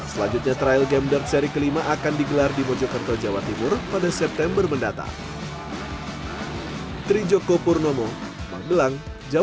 selanjutnya trial game dert seri kelima akan digelar di mojokerto jawa timur pada september mendatang